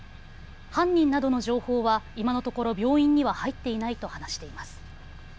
犯人などの情報は今のところ病院には入っていないと話しています。